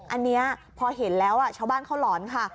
อันนี้พอเห็นแล้วชาวบ้านเขาหลอนค่ะ